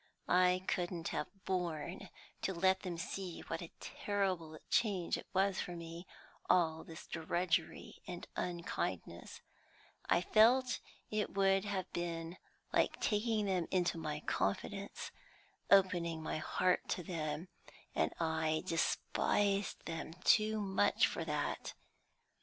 I couldn't have borne to let them see what a terrible change it was for me, all this drudgery and unkindness; I felt it would have been like taking them into my confidence, opening my heart to them, and I despised them too much for that.